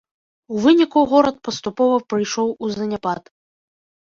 У выніку горад паступова прыйшоў у заняпад.